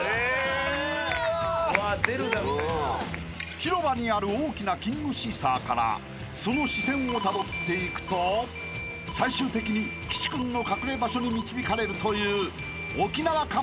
［広場にある大きなキングシーサーからその視線をたどっていくと最終的に岸君の隠れ場所に導かれるという沖縄感満載の仕掛け］